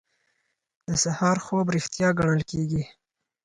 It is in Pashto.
د سهار خوب ریښتیا ګڼل کیږي.